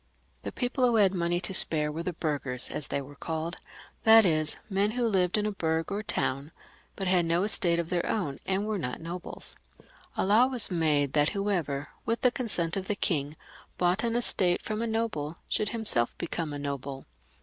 The people who had money to spare were the burghers, as they were called ; that is men who lived in a bourg or town, but had no estate of their own, and were not nobles. A law was made that whoever, with the consent of the king, bought an estate from a noble, should himself become a noble.